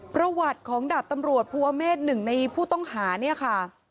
ประวัติของดาบตำรวจภูเมฆหนึ่งในผู้ต้องหาเนี่ยค่ะ